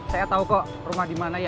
saya tahu kok rumah dimana ya